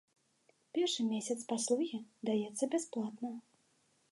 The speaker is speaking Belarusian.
Першы месяц паслугі даецца бясплатна.